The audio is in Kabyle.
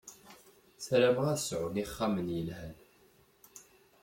Sarameɣ ad sɛun ixxamen yelhan.